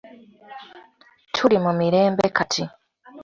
Tuli mu mirembe kati.